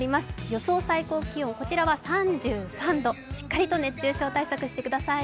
予想最高気温、こちらは３３度、しっかりと熱中症対策してください。